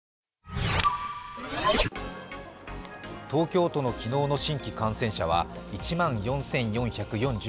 東京都の昨日の新規感染者は１万４４４５人。